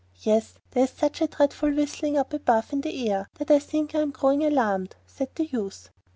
'Yes; there is such a dreadful whistling up above in the air that I think I am growing alarmed,' said the youth.